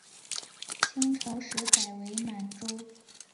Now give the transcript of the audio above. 清朝时改为满洲。